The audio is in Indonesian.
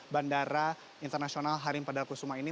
bandara internasional halim perdana kusuma ini